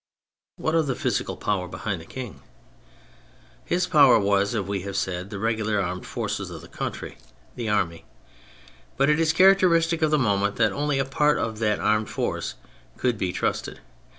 What of the physical power behind the King ? His power was, as we have said, the Regular Armed forces of the country : the army. But it is characteristic of the moment that only a part of that armed force could be trusted.